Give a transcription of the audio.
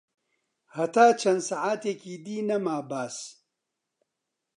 هەتا چەن ساعەتێکی دی نەما باس